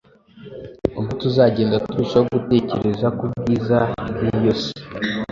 ubwo tuzagenda turushaho gutekereza k’ubwiza bw’iyo si